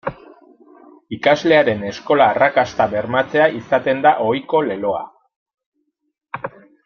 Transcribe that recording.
Ikaslearen eskola-arrakasta bermatzea izaten da ohiko leloa.